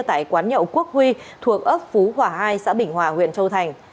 tại quán nhậu quốc huy thuộc ấp phú hòa hai xã bình hòa huyện châu thành